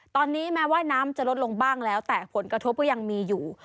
ตอนนี้แม้ว่าน้ำจะลดลงบ้างแล้วแต่ผลกระทบก็ยังมีอยู่